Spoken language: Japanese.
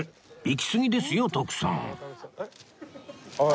行きすぎですよ徳さん